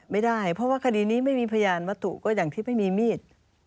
ไม่ได้เพราะว่าคุณดินมีพยานวะตุก็อย่างที่ปะมีมีด